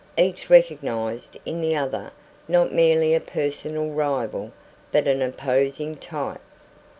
Each recognised in the other not merely a personal rival, but an opposing type.